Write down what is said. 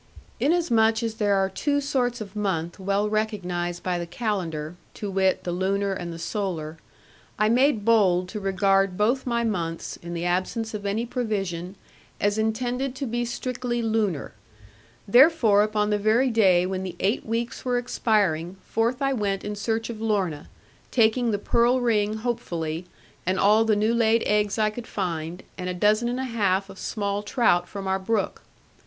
Inasmuch as there are two sorts of month well recognised by the calendar, to wit the lunar and the solar, I made bold to regard both my months, in the absence of any provision, as intended to be strictly lunar. Therefore upon the very day when the eight weeks were expiring forth I went in search of Lorna, taking the pearl ring hopefully, and all the new laid eggs I could find, and a dozen and a half of small trout from our brook.